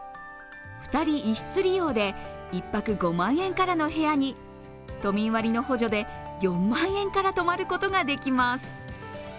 ２人１室利用で１泊５万円からの部屋に都民割の補助で４万円から泊まることができます。